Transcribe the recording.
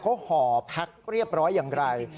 เขาห่อแพ็คเรียบร้อยอย่างไร